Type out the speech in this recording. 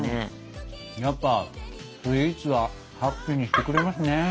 やっぱスイーツはハッピーにしてくれますね。